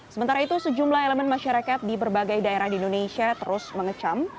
sementara itu sejumlah elemen masyarakat di berbagai daerah di indonesia terus mengecam